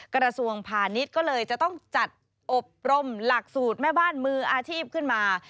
กระทรวงพาณิชย์ก็เลยจะต้องจัดอบรมหลักสูตรแม่บ้านมืออาชีพขึ้นมา